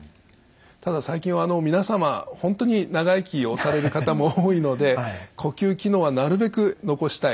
ただ最近は皆様本当に長生きをされる方も多いので呼吸機能はなるべく残したい。